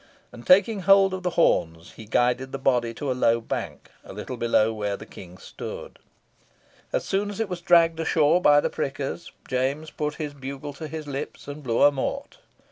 And taking hold of the horns, he guided the body to a low bank, a little below where the King stood. As soon as it was dragged ashore by the prickers, James put his bugle to his lips and blew a mort.